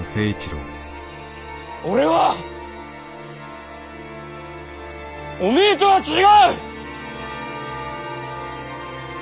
俺はおめぇとは違う！